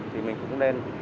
thì mình cũng nên